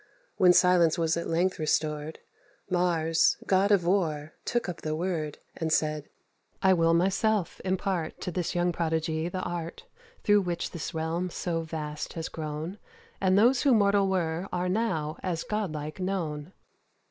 When silence was at length restored, Mars, God of War, took up the word, And said, "I will myself impart To this young prodigy the art Through which this realm so vast has grown, And those who mortal were are now as godlike known."